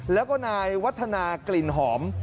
แล้วก็นายวัฒนากลิ่นหอม